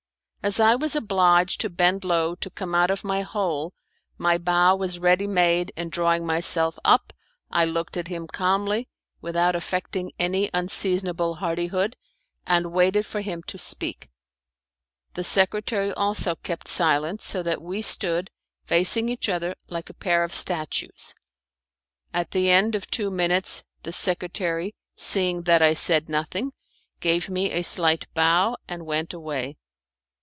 As I was obliged to bend low to come out of my hole, my bow was ready made, and drawing myself up, I looked at him calmly without affecting any unseasonable hardihood, and waited for him to speak. The secretary also kept silence, so that we stood facing each other like a pair of statues. At the end of two minutes, the secretary, seeing that I said nothing, gave me a slight bow, and went away.